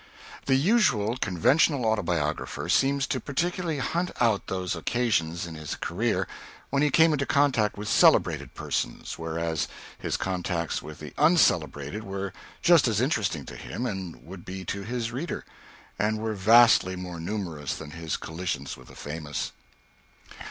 The usual, conventional autobiographer seems to particularly hunt out those occasions in his career when he came into contact with celebrated persons, whereas his contacts with the uncelebrated were just as interesting to him, and would be to his reader, and were vastly more numerous than his collisions with the famous.